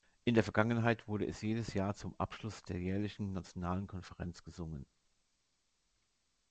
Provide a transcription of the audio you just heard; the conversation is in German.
In der Vergangenheit wurde es jedes Jahr zum Abschluss der jährlichen nationalen Konferenz gesungen.